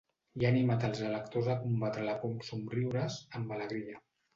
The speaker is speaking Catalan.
I ha animat els electors a combatre la por amb somriures ‘amb alegria’.